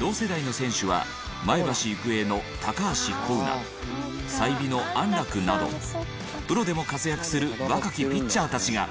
同世代の選手は前橋育英の橋光成済美の安樂などプロでも活躍する若きピッチャーたちが。